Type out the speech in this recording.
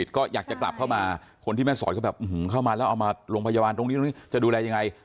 เพราะว่าท่านที่อยู่ที่แม่สอดอยู่ที่ตากหลายท่านก็กังวลไง